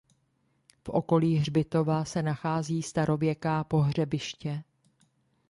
V okolí hřbitova se nachází starověká pohřebiště.